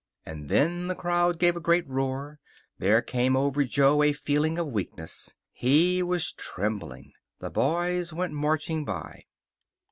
And then the crowd gave a great roar. There came over Jo a feeling of weakness. He was trembling. The boys went marching by.